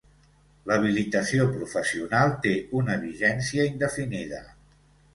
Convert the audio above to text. L'habilitació professional té una vigència indefinida.